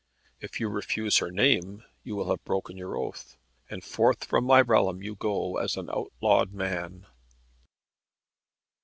If you refuse her name you will have broken your oath, and forth from my realm you go as an outlawed man."